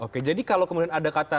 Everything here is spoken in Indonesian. oke jadi kalau kemudian ada kata